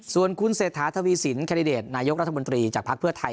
ส่วนคุณเศรษฐาทวีสินแคนดิเดตนายกรัฐมนตรีจากภักดิ์เพื่อไทย